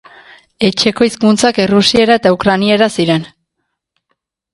Etxeko hizkuntzak errusiera eta ukrainera ziren.